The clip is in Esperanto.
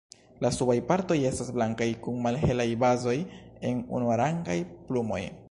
La subaj partoj estas blankaj kun malhelaj bazoj en unuarangaj plumoj.